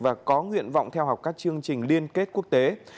và có nguyện vọng theo học các chương trình liên kết quốc tế